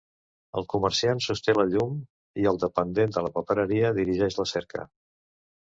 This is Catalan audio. El comerciant sosté la llum i el dependent de la papereria dirigeix la cerca.